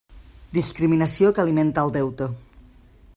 Discriminació que alimenta el deute.